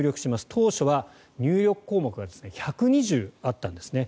当初は入力項目が１２０あったんですね。